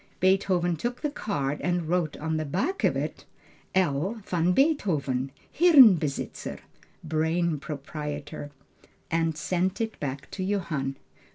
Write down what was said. Beethoven took the card and wrote on the back of it L. VAN BEETHOVEN Hirnbesitzer (Brain proprietor). and sent it back to Johann.